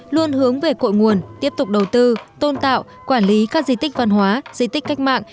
luôn hướng về cội nguồn tiếp tục đầu tư tôn tạo quản lý các di tích văn hóa di tích cách mạng